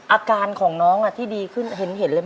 อาการของน้องที่ดีขึ้นเห็นเลย